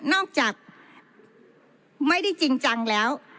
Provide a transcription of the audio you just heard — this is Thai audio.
นอกจากไม่ได้จริงจังแล้ว